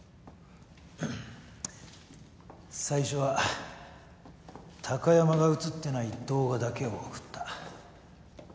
んんっちっ最初は貴山が映ってない動画だけを送った。